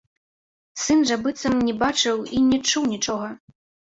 Сын жа быццам не бачыў і не чуў нічога.